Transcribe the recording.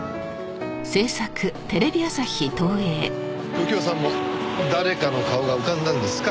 右京さんも誰かの顔が浮かんだんですか？